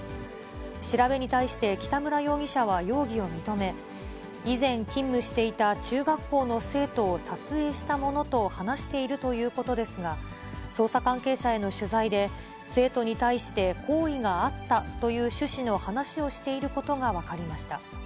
調べに対して北村容疑者は容疑を認め、以前勤務していた中学校の生徒を撮影したものと話しているということですが、捜査関係者への取材で、生徒に対して好意があったという趣旨の話をしていることが分かりました。